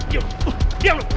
ya ampun ya ampun